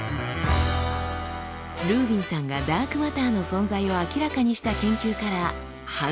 ルービンさんがダークマターの存在を明らかにした研究から半世紀。